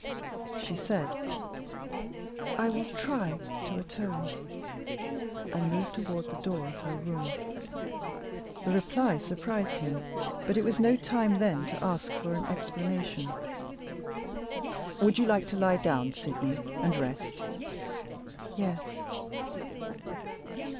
She said: "I will try to atone," and moved toward the door of her room. The reply surprised him; but it was no time then to ask for an explanation. "Would you like to lie down, Sydney, and rest?" "Yes."